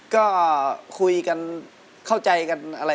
ก็คุยกันเข้าใจกันอะไรเองนะครับ